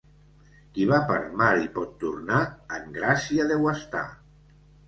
Qui va per mar i pot tornar, en gràcia deu estar.